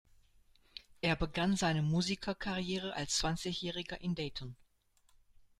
Er begann seine Musikerkarriere als Zwanzigjähriger in Dayton.